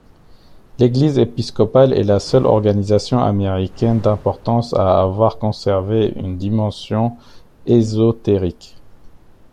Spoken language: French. L’Église Épiscopale est la seule organisation américaine d'importance à avoir conservé une dimension ésotérique.